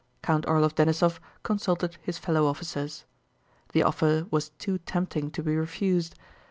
Count Orlóv Denísov consulted his fellow officers. The offer was too tempting to be refused.